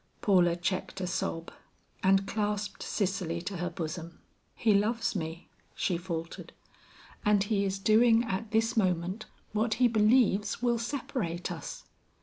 Paula checked a sob and clasped Cicely to her bosom. "He loves me," she faltered, "and he is doing at this moment what he believes will separate us.